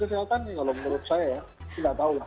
nggak tahu pak jokowi